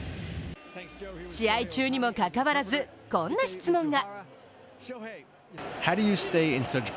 試合中にもかかわらずこんな質問が。